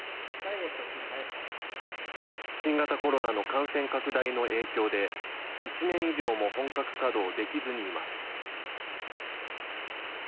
新型コロナの感染拡大の影響で１年以上も本格稼働できずにいます。